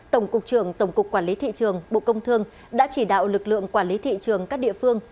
tổng cục trưởng tổng cục quản lý thị trường bộ công thương đã chỉ đạo lực lượng quản lý thị trường các địa phương